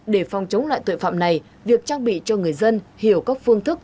để phòng chống loại tội phạm này việc trang bị cho người dân hiểu các phương thức